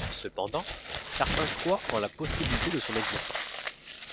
Cependant, certains croient en la possibilité de son existence.